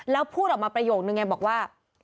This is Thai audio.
แล้วพูดออกมาประโยคนึงไงบอกว่า